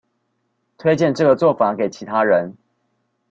推薦這個做法給其他人